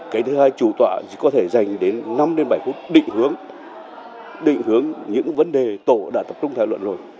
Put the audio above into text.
cái thứ hai chủ tọa có thể dành đến năm đến bảy phút định hướng những vấn đề tổ đã tập trung thảo luận rồi